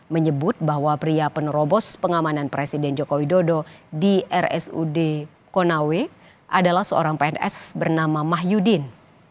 menyebut bahwa pria penerobos pengamanan presiden joko widodo di rsud konawe adalah seorang pns bernama mahyudin